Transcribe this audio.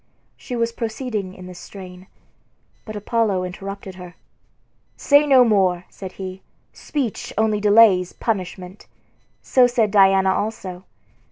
She was proceeding in this strain, but Apollo interrupted her. "Say no more," said he; "speech only delays punishment." So said Diana also.